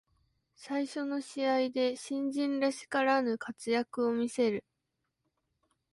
最初の試合で新人らしからぬ活躍を見せる